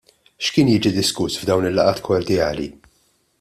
X'kien jiġi diskuss f'dawn il-laqgħat kordjali?